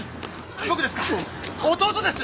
僕ですか？